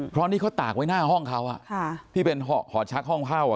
เพราะนี่เขาตากไว้หน้าห้องเขาอ่ะ